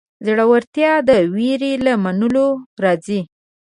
زړورتیا د وېرې له منلو راځي.